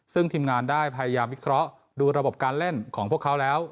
ซึ่งทีมงานได้พยายามวิเคราะห์ดูระบบการเล่นของพวกเขาแล้ว